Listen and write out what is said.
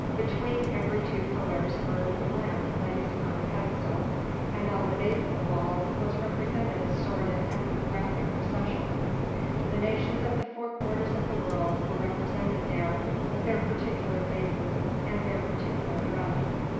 Between every two pillars burned a lamp placed upon a pedestal, and on the base of the walls was represented a sort of ethnographic procession: the nations of the four quarters of the world were represented there with their particular faces and their particular dress.